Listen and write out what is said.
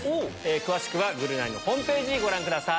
詳しくはぐるナイのホームページ、ご覧ください。